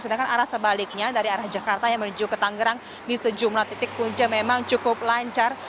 sedangkan arah sebaliknya dari arah jakarta yang menuju ke tangerang di sejumlah titik punca memang cukup lancar